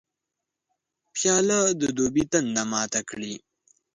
پیاله د دوبي تنده ماته کړي.